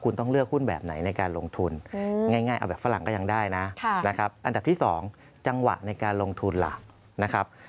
เลือกหุ้นก็ยากเทรดก็ยากใช่ไหมครับ